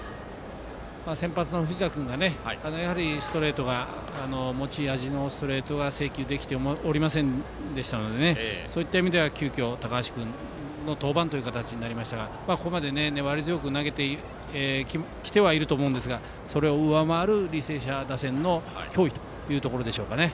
先発の藤田君が持ち味のストレートが制球できておりませんでしたのでそういった意味では急きょ高橋君の登板という形になりましたがここまで粘り強く投げてきてはいると思うんですがそれを上回る履正社打線の脅威というところでしょうかね。